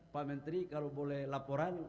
pak menteri kalau boleh laporan